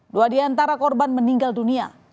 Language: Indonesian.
dua diantara korban meninggal dunia